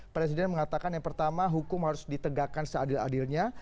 presiden mengatakan yang pertama hukum harus ditegakkan seadil adilnya